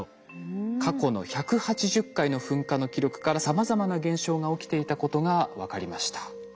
過去の１８０回の噴火の記録からさまざまな現象が起きていたことが分かりました。